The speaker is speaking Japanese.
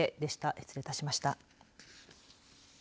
失礼いたしました。